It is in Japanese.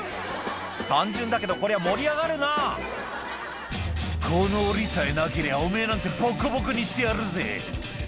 単純だけどこりゃ盛り上がるな「この檻さえなけりゃおめぇなんてぼこぼこにしてやるぜ」